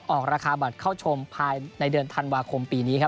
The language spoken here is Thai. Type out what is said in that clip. ออกราคาบัตรเข้าชมภายในเดือนธันวาคมปีนี้ครับ